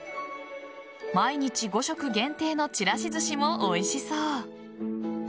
毎日５食限定のちらしずしもおいしそう。